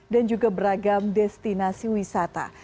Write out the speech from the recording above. dan juga beragam destinasi wisata